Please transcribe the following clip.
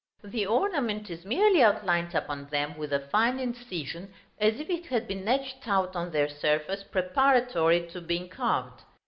The ornament is merely outlined upon them with a fine incision, as if it had been etched out on their surface preparatory to being carved.